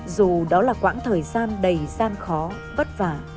dù đó là quãng thời gian đầy gian khó vất vả